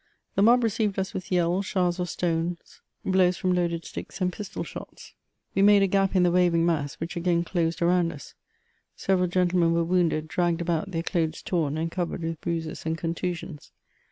The qaob received us with yells, showers of stones, blows from loaded sticks, and pistol shots. We made a gfip i^ m CHATEAUBRIAND. 205 the waving mass, which again closed around us. Several gentle* men were wounded, dragged about, their clothes torn, and covered with bruises and contusions.